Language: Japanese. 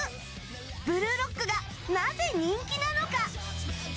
「ブルーロック」がなぜ人気なのか。